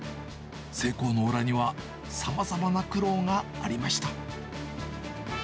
成功の裏には、さまざまな苦労がありました。